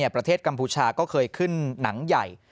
กัมพูชาก็เคยขึ้นหนังใหญ่